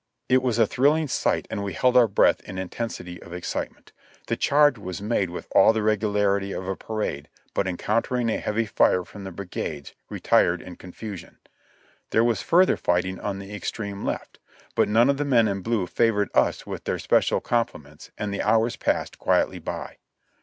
It was a thrilling sight and we held our breath in intensity of excitement. The charge was made with all the regularity of a parade, but encountering a heavy fire from the brigades, retired in confusion. There was further fighting on the extreme left, but none of the men in blue favored us with their especial compliments, and the hours passed quietly by.